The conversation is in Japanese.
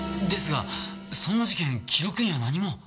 ですがそんな事件記録には何も。